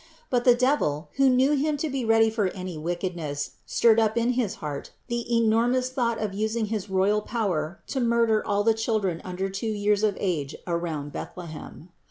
But the devil, who knew him to be ready for any wick edness, stirred up in his heart the enormous thought of using his royal power to murder all the children under two years of age around Bethlehem.